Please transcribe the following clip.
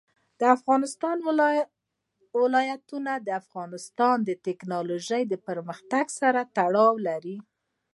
د افغانستان ولايتونه د افغانستان د تکنالوژۍ پرمختګ سره تړاو لري.